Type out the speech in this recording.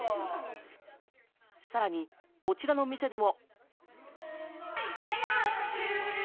さらにこちらの店でも。